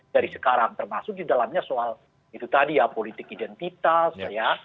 dari sekarang termasuk di dalamnya soal itu tadi ya politik identitas ya